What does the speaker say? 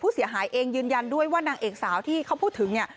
เสียหายเองยืนยันด้วยว่านางเอกสาวที่เขาพูดถึงเนี่ย